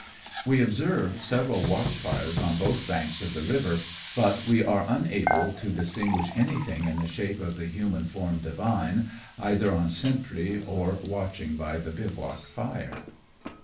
We observe several watchfires on both hanks of the river, but we are unable to distinguish anything in the shape of the human form divine, either on sentry, or watching by the bivouac fire.